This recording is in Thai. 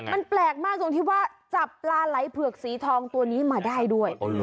มันแปลกมากตรงที่ว่าจับปลาไหลเผือกสีทองตัวนี้มาได้ด้วย